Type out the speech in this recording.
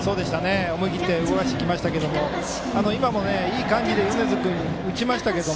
思い切って動かしてきましたが今もいい感じで米津君、打ちましたけど